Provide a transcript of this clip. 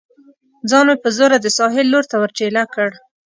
ځان مې په زوره د ساحل لور ته ور ټېله کړ.